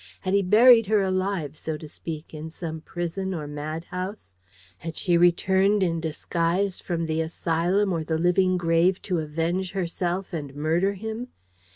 Had he buried her alive, so to speak, in some prison or madhouse? Had she returned in disguise from the asylum or the living grave to avenge herself and murder him?